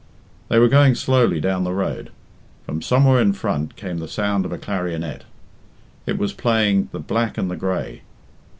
They were going slowly down the road. From somewhere in front came the sound of a clarionet. It was playing "the Black and the Grey."